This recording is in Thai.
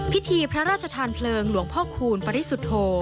พิธีพระราชทานเพลิงหลวงพ่อคูณปริสุทธโธ